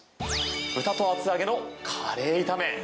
豚と厚揚げのカレー炒め。